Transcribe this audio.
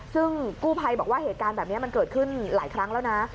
ซึ่งกู้ภัยบอกว่าเหตุการณ์แบบนี้มันเกิดขึ้นหลายครั้งแล้วนะ